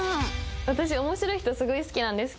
私面白い人すごい好きなんですけど。